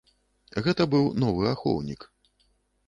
Гэта быў новы ахоўнік.